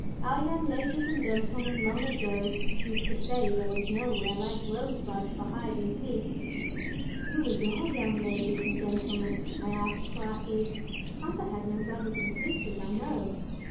Our young ladies and gentlemen long ago used to say there was nowhere like Rosebuds for hide and seek." "Who were your young ladies and gentlemen?" I asked quietly. "Papa had no brothers and sisters, I know."